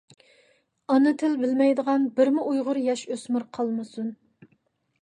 ئانا تىل بىلمەيدىغان بىرمۇ ئۇيغۇر ياش-ئۆسمۈر قالمىسۇن!